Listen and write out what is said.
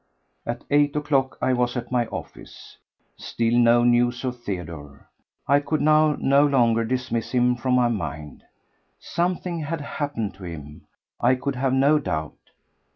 At eight o'clock I was at my office. Still no news of Theodore. I could now no longer dismiss him from my mind. Something had happened to him, I could have no doubt.